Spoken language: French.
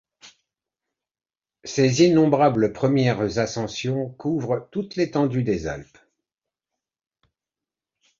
Ses innombrables premières ascensions couvrent toute l'étendue des Alpes.